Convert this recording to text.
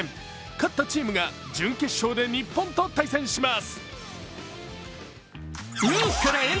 勝ったチームが準決勝で日本と対戦します。